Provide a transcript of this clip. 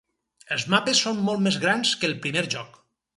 Els mapes són molt més grans que el primer joc.